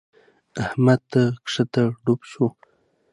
د احمد کښتی ډوبه شوه.